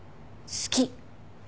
好き。